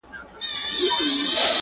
• له خپل یار سره روان سو دوکاندار ته,